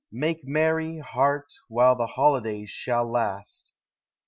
Make merry, heart, while the holidays shall last.